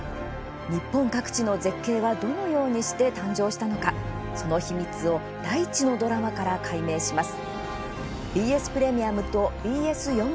日本各地の絶景はどのようにして誕生したのかその秘密を大地のドラマから解明します。